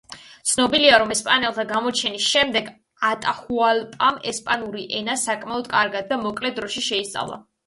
ცნობილია, რომ ესპანელთა გამოჩენის შემდეგ, ატაჰუალპამ ესპანური ენა საკმაოდ კარგად და მოკლე დროში შეისწავლა.